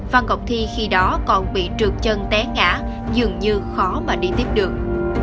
phan ngọc thi khi đó còn bị trượt chân té ngã dường như khó mà đi tiếp được